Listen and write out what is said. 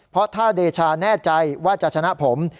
เพราะถ้าเดชาแน่ใจว่าจะชนะผม